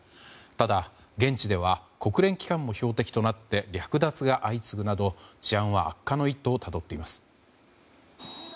ただ、現地では国連機関も標的となって略奪が相次ぐなど治安は悪化の一途をたどっています。